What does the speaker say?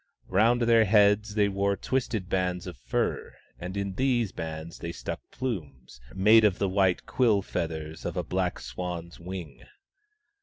Round their heads they wore twisted bands of fur, and in these bands they stuck plumes, made of the white quill feathers of a black swan's wing.